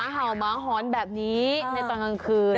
เห่าหมาหอนแบบนี้ในตอนกลางคืน